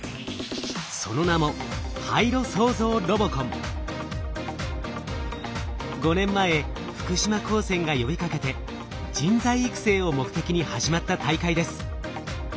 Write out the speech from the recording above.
その名も５年前福島高専が呼びかけて人材育成を目的に始まった大会です。